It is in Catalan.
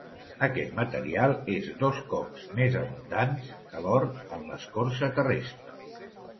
Aquest material és dos cops més abundants que l'or en l'escorça terrestre.